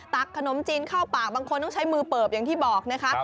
ขนมจีนเข้าปากบางคนต้องใช้มือเปิบอย่างที่บอกนะคะ